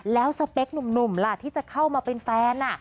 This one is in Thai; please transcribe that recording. แล้วสเปคหนุ่มล่ะที่จะเข้ามาเป็นแฟน